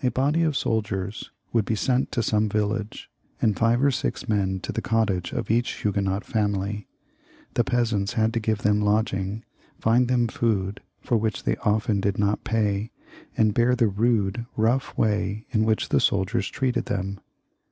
A body of soldiers would be sent to some village, and five or six men to the cottage of each Huguenot family. The peasants had to give them lodging, find them food, for which they often did not pay, and bear the rude rough way in which the soldiers treated them.